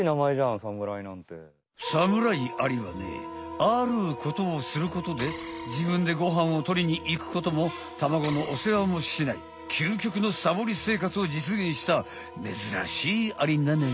サムライアリはねあることをすることで自分でごはんを取りに行くことも卵のお世話もしない究極のサボりせいかつをじつげんしためずらしいアリなのよ。